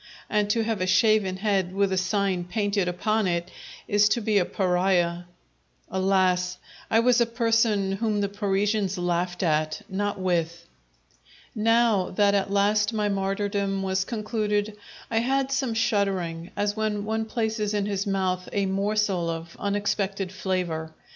And to have a shaven head with a sign painted upon it is to be a pariah. Alas! I was a person whom the Parisians laughed at, not with! Now that at last my martyrdom was concluded, I had some shuddering, as when one places in his mouth a morsel of unexpected flavour.